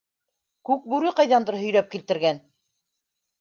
Күкбүре ҡайҙандыр һөйрәп килтергән!